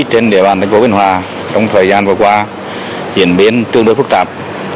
trên địa bàn tp biên hòa trong thời gian vừa qua diễn biến tương đối phức tạp